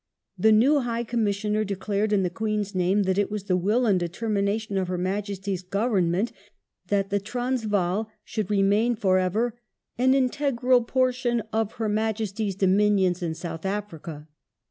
The new High Commissioner declared in the Queen's name that it was the will and determination of Her Majesty's Govern ment that the Transvaal should remain for ever " an integral por tion of Her Majesty's dominions in South Africa".